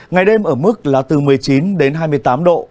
ngày đêm ở mức là từ một mươi chín đến hai mươi tám độ